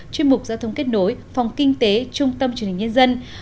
chuyên mục giao thông kết nối phòng kinh tế trung tâm truyền hình nhân dân